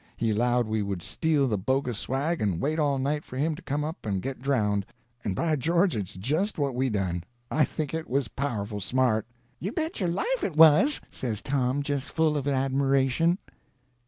He allowed we would steal the bogus swag and wait all night for him to come up and get drownded, and by George it's just what we done! I think it was powerful smart." "You bet your life it was!" says Tom, just full of admiration.